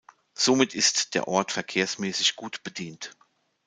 Somit ist der Ort verkehrsmäßig gut bedient.